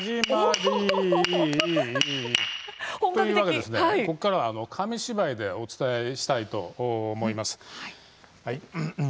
柝きの音ということで、ここからは紙芝居でお伝えしたいと思います。